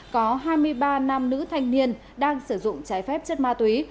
có hai mươi ba nam nữ thanh niên đang sử dụng trái phép chất ma túy